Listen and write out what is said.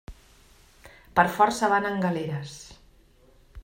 Per força van en galeres.